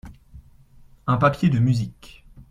Un papier de musique.